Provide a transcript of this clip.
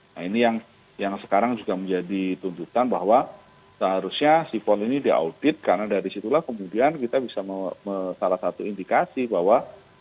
nah ini yang sekarang juga menjadi tuntutan bahwa seharusnya sipol ini diaudit karena dari situlah kemudian kita bisa salah satu indikasi bahwa